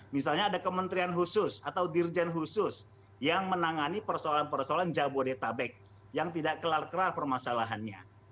misalnya ada kementerian khusus atau dirjen khusus yang menangani persoalan persoalan jabodetabek yang tidak kelar kelar permasalahannya